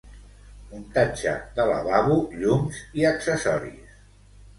Muntatge de lavabo, llums i accessoris